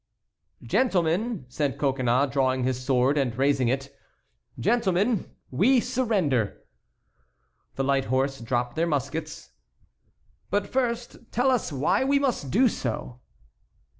"Gentlemen," said Coconnas, drawing his sword and raising it, "gentlemen, we surrender." The light horse dropped their muskets. "But first tell us why we must do so?"